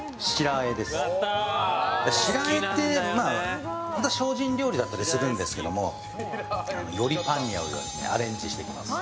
白あえって本当は精進料理だったりするんですけどよりパンに合うようにアレンジしていきます。